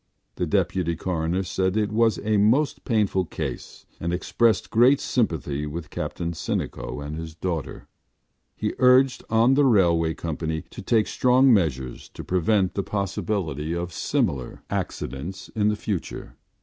The Deputy Coroner said it was a most painful case, and expressed great sympathy with Captain Sinico and his daughter. He urged on the railway company to take strong measures to prevent the possibility of similar accidents in the future.